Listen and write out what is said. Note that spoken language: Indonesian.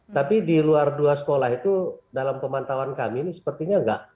tapi di luar dua sekolah itu dalam pemantauan kami ini sepertinya enggak